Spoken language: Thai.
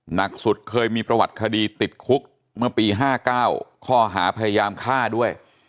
หนักสุดเคยมีประวัติคดีติดคุกเมื่อปี๕๙ข้อหาพยายามฆ่าด้วย